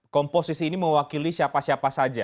komposisi ini mewakili siapa siapa saja